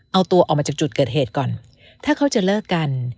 เอาตัวออกมาจากจุดเกิดเหตุก่อนถ้าเขาจะเลิกกัน